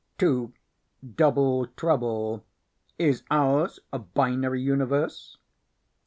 2. Double Trouble Is Ours a Binary Universe?